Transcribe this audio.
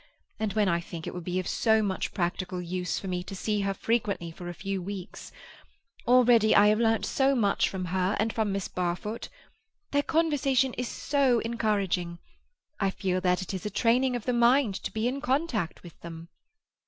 And when I think it will be of so much practical use for me to see her frequently for a few weeks. Already I have learnt so much from her and from Miss Barfoot. Their conversation is so encouraging. I feel that it is a training of the mind to be in contact with them."